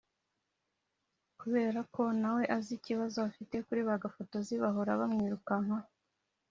Kubera ko na we azi ikibazo afite kuri bagafotozi bahora bamwirukankaho